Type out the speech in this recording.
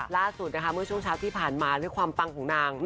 ล่าสุดนะคะเมื่อช่วงเช้าที่ผ่านมาด้วยความปังของนาง